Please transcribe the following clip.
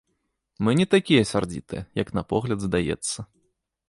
Мы не такія сярдзітыя, як на погляд здаецца.